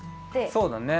そうだね。